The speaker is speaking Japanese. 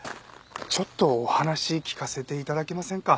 ちょっとお話聞かせて頂けませんか？